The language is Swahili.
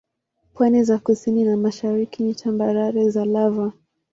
Pwani za kusini na mashariki ni tambarare za lava.